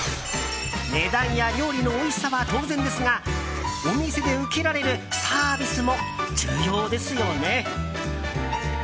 値段や料理のおいしさは当然ですがお店で受けられるサービスも重要ですよね。